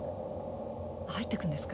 入っていくんですか？